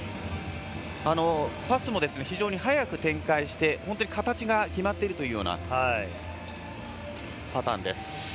パスも非常に速く展開して形が決まっているというパターンです。